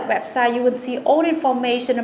và nhiều thông tin nội dung của việt nam